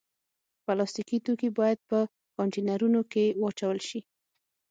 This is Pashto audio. پلاستيکي توکي باید په کانټینرونو کې واچول شي.